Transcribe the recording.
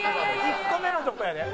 「１個目のとこやで？」